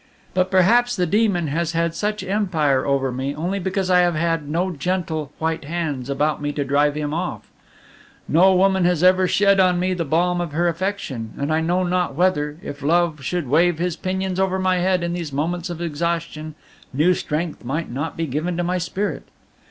"But, perhaps, the demon has had such empire over me only because I have had no gentle, white hands about me to drive him off. No woman has ever shed on me the balm of her affection; and I know not whether, if love should wave his pinions over my head in these moments of exhaustion, new strength might not be given to my spirit.